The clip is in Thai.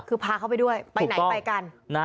คือพาเขาไปด้วยไปไหนไปกัน